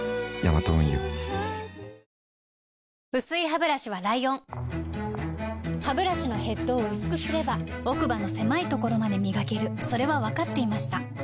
薄いハブラシはライオンハブラシのヘッドを薄くすれば奥歯の狭いところまで磨けるそれは分かっていました